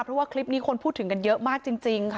เพราะว่าคลิปนี้คนพูดถึงกันเยอะมากจริงค่ะ